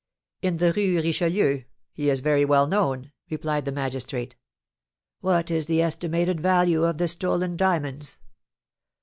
"In the Rue Richelieu? He is very well known," replied the magistrate. "What is the estimated value of the stolen diamonds?"